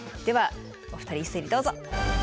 ではお二人一斉にどうぞ。